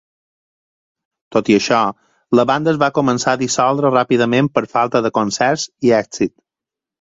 Tot i això, la banda es va començar a dissoldre ràpidament per falta de concerts i èxit.